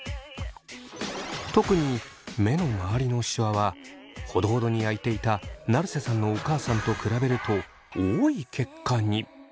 特に目の周りのシワはほどほどに焼いていた成瀬さんのお母さんと比べると多い結果に。